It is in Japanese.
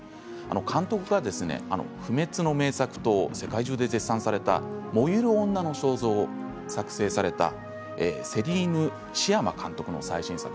監督が不滅の名作と世界中で絶賛された「燃ゆる女の肖像」を作成されたセリーヌ・シアマ監督の最新作。